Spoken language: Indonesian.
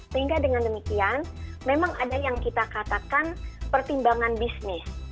sehingga dengan demikian memang ada yang kita katakan pertimbangan bisnis